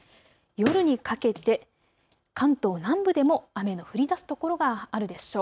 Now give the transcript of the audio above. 夜にかけて関東南部でも雨の降りだす所があるでしょう。